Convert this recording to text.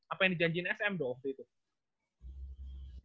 apa yang dijanjiin sm waktu itu